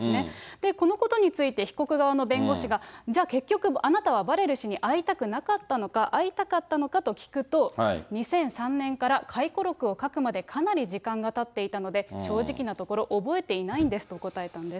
で、このことについて、被告側の弁護士が、じゃあ、結局あなたはバレル氏に会いたくなかったのか、会いたかったのかと聞くと、２００３年から回顧録を書くまでかなり時間がたっていたので、正直なところ、覚えていないんですと答えたんです。